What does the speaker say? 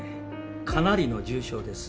かなりの重症です